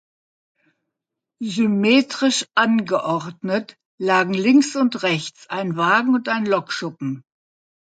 Symmetrisch angeordnet lagen links und rechts ein Wagen- und ein Lokschuppen.